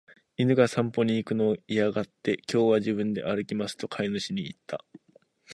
犬が散歩に行くのを嫌がって、「今日は自分で歩きます」と飼い主に言った。